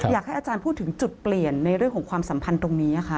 อยากให้อาจารย์พูดถึงจุดเปลี่ยนในเรื่องของความสัมพันธ์ตรงนี้ค่ะ